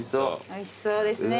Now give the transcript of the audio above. おいしそうですね。